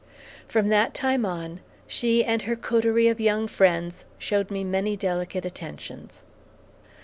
From that time on, she and her coterie of young friends showed me many delicate attentions.